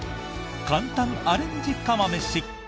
簡単アレンジ釜めし！